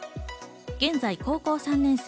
現在高校３年生。